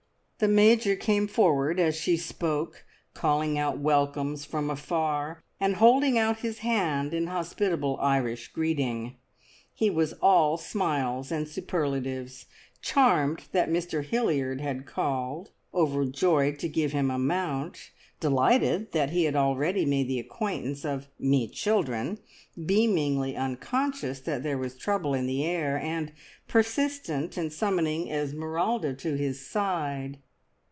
The Major came forward as she spoke, calling out welcomes from afar, and holding out his hand in hospitable Irish greeting. He was all smiles and superlatives, charmed that Mr Hilliard had called, overjoyed to give him a mount, delighted that he had already made the acquaintance of "me children," beamingly unconscious that there was trouble in the air, and persistent in summoning Esmeralda to his side.